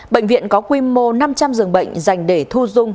bệnh viện có quy mô năm trăm linh giường bệnh dành để thu dung